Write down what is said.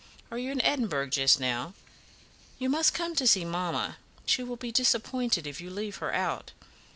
Are you in Edinburgh just now? You must come to see mamma; she will be so disappointed if you leave her out.